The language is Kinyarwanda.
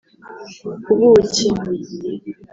ubuki